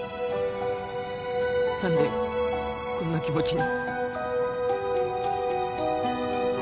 何でこんな気持ちに？